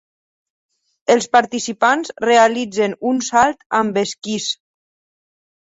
Els participants realitzen un salt amb esquís.